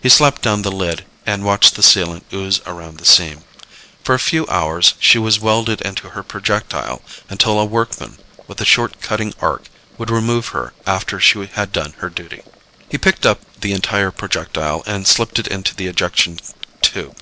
He slapped down the lid and watched the sealant ooze around the seam. For a few hours, she was welded into her projectile until a workman with a short cutting arc would remove her after she had done her duty. He picked up the entire projectile and slipped it into the ejection tube.